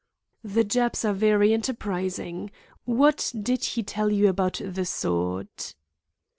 "The Japs are very enterprising. What did he tell you about the sword?"